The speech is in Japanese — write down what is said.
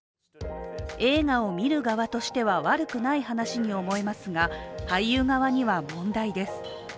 映画を見る側としては悪くない話に思えますが俳優側には問題です。